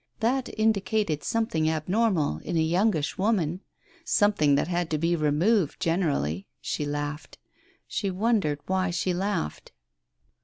... That indicated something abnormal, in a youngish woman !... Something that had to be removed, generally. ... She laughed. ... She wondered why she laughed.